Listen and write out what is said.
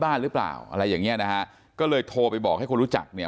หรือเปล่าอะไรอย่างเงี้ยนะฮะก็เลยโทรไปบอกให้คนรู้จักเนี่ย